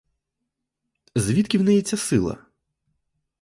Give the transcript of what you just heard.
Звідки в неї ця сила?